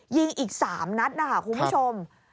ยิงอีก๓นัดนะคะคุณผู้ชม